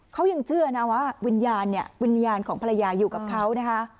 เขายังเชื่อนะว่าวิญญาณเนี่ยวิญญาณของภรรยาอยู่กับเขานะคะ